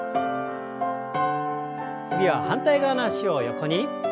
次は反対側の脚を横に。